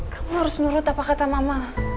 kamu harus menurut apa kata mama